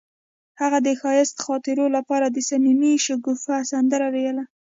هغې د ښایسته خاطرو لپاره د صمیمي شګوفه سندره ویله.